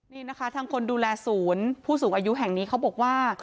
นี่นะคะทางคนดูแลศูนย์ผู้สูงอายุแห่งนี้เขาบอกว่า